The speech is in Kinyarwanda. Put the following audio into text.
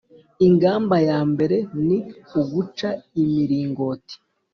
Ingamba ya mbere ni uguca imiringoti